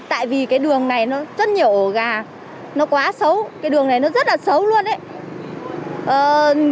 tại vì cái đường này nó rất nhiều ổ gà nó quá xấu cái đường này nó rất là xấu luôn á